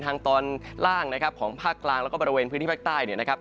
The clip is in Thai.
ทางตอนล่างนะครับของภาคล่างแล้วก็บริเวณพื้นที่ภาคใต้